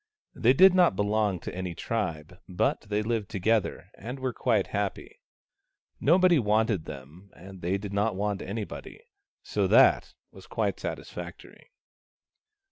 They did not belong to any tribe, but they lived together, and were quite happy. Nobody wanted them, and they did not want anybody. So that was quite satis factory.